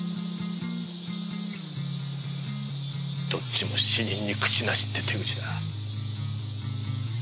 どっちも死人に口なしって手口だ。